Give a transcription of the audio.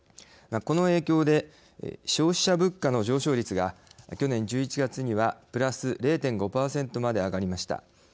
この影響で消費者物価の上昇率が去年１１月にはプラス０．５％まで上がりました。